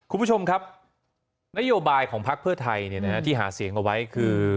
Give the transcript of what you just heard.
คุณผู้ชมครับนโยบายของพักเพื่อไทยที่หาเสียงเอาไว้คือ